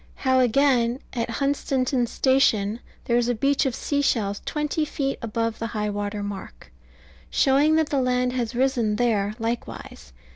How, again, at Hunstanton Station there is a beach of sea shells twenty feet above high water mark, showing that the land has risen there likewise.